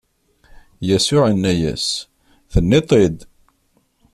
Yasuɛ inna-as: Tenniḍ-t-id!